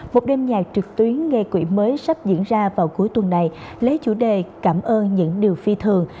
một đêm nhạc trực tuyến nghe quỹ mới sắp diễn ra vào cuối tuần này lấy chủ đề cảm ơn những điều phi thường